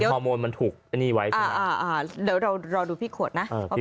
ฮอร์โมนมันถูกไว้แล้วเรารอดูพี่ขวดนะ